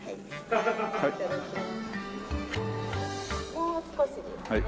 もう少しですね。